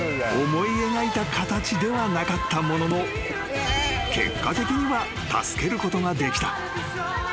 ［思い描いた形ではなかったものの結果的には助けることができた］